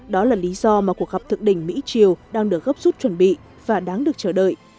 đó là lý do mà cuộc gặp thượng đỉnh mỹ triều đang được gấp rút chuẩn bị và đáng được chờ đợi